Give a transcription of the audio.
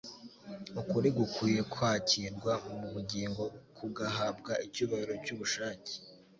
Ukuri gukwiye kwakirwa mu bugingo, kugahabwa icyubahiro cy'ubushake.